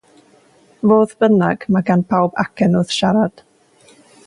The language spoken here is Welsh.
Fodd bynnag, mae gan bawb acen wrth siarad.